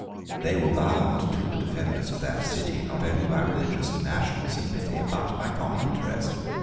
They were bound to the defenders of that city, not only by religious and national sympathy, but by common interest.